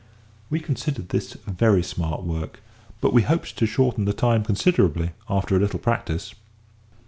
We considered this very smart work, but we hoped to shorten the time considerably after a little practice.